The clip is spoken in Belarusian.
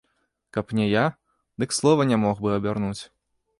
Каб не я, дык слова не мог бы абярнуць.